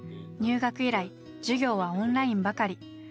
入学以来授業はオンラインばかり。